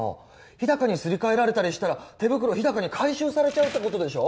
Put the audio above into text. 日高にすり替えられたりしたら手袋日高に回収されちゃうってことでしょ？